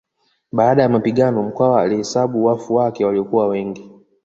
Baada ya mapigano Mkwawa alihesabu wafu wake waliokuwa wengi